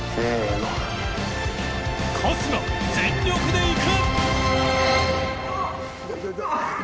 秉嫺全力でいく！